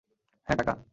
হ্যাঁ, টাকা?